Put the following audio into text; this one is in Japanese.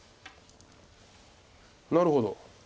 なるほど。